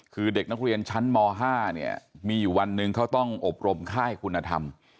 คือเด็กนักเรียนชั้นม๕เนี่ยมีอยู่วันหนึ่งเขาต้องอบรมค่ายคุณธรรม